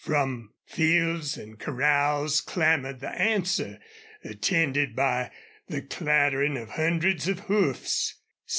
From, fields and corrals clamored the answer attended by the clattering of hundreds of hoofs.